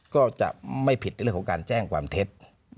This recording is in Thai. ก็จะไม่ผิดในเรื่องของการแจ้งความเท็จ